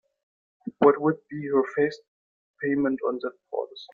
What would be her first payment on that policy?